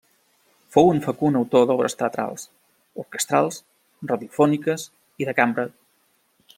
Fou un fecund autor d'obres teatrals, orquestrals, radiofòniques i de cambra.